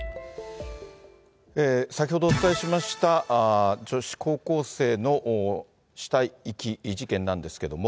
先ほどお伝えしました、女子高校生の死体遺棄事件なんですけども。